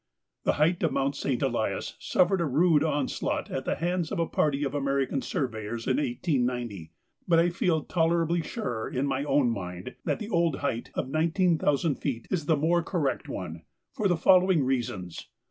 The height of Mount St. Elias suffered a rude onslaught at the hands of a party of American surveyors in 1890, but I feel tolerably sure in my own mind that the old height of nineteen thousand feet is the more correct one, for the following reasons.